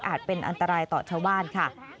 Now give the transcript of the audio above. เป็นอันตรายต่อชาวบ้านค่ะ